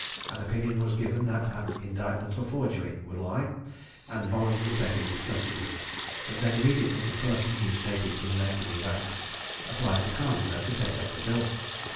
An opinion was given that an indictment for forgery would lie, and Bolland was taken into custody; but then immediately a person, who stated his name to be Banks, applied to Cardineaux to take up the bill.